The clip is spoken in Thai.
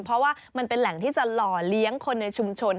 เพราะว่ามันเป็นแหล่งที่จะหล่อเลี้ยงคนในชุมชน